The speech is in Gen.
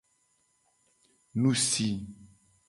Nu si.